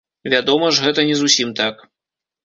Вядома ж, гэта не зусім так.